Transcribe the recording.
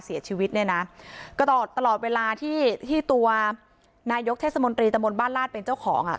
เสียชีวิตเนี่ยนะก็ตลอดตลอดเวลาที่ที่ตัวนายกเทศมนตรีตะมนต์บ้านลาดเป็นเจ้าของอ่ะ